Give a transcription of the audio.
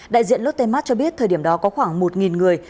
đại diện lotte mart cho biết thời điểm đó có khoảng một người